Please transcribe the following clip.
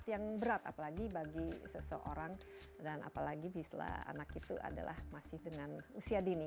memang sangat yang berat apalagi bagi seseorang dan apalagi setelah anak itu masih dengan usia dini